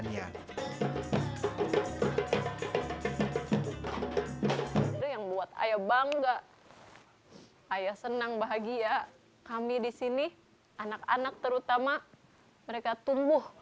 yang buat ayah bangga ayah senang bahagia kami disini anak anak terutama mereka tumbuh